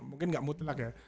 mungkin gak mutlak ya